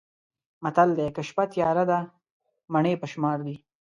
متل دی: که شپه تیاره ده مڼې په شمار دي.